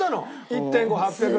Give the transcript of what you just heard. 「１．５」「８００」